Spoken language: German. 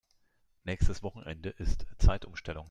Nächstes Wochenende ist Zeitumstellung.